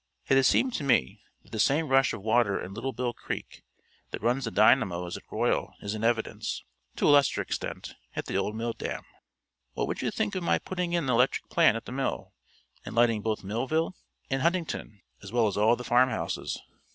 It has seemed to me that the same rush of water in Little Bill Creek that runs the dynamos at Royal is in evidence to a lesser extent at the old milldam. What would you think of my putting in an electric plant at the mill, and lighting both Millville and Huntingdon, as well as all the farmhouses?"